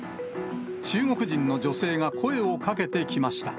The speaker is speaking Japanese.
中国人の女性が声をかけてきました。